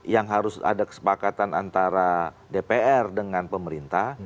yang harus ada kesepakatan antara dpr dengan pemerintah